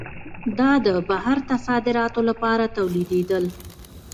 دا د بهر ته صادراتو لپاره تولیدېدل.